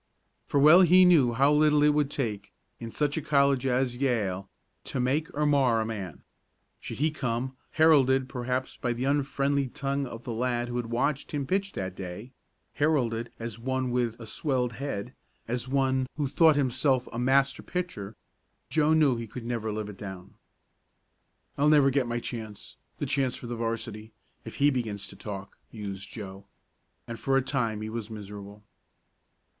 For well he knew how little it would take, in such a college as Yale, to make or mar a man. Should he come, heralded perhaps by the unfriendly tongue of the lad who had watched him pitch that day heralded as one with a "swelled head" as one who thought himself a master pitcher Joe knew he could never live it down. "I'll never get my chance the chance for the 'varsity if he begins to talk," mused Joe, and for a time he was miserable.